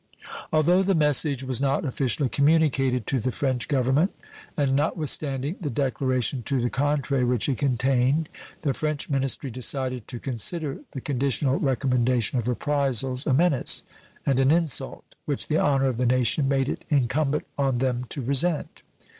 Although the message was not officially communicated to the French Government, and not withstanding the declaration to the contrary which it contained, the French ministry decided to consider the conditional recommendation of reprisals a menace and an insult which the honor of the nation made it incumbent on them to resent.